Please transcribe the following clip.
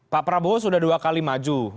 pak prabowo sudah dua kali maju